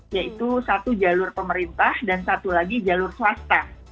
yaitu satu jalur pemerintah dan satu lagi jalur swasta